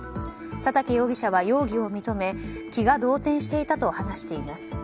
佐竹容疑者は容疑を認め気が動転していたと話しています。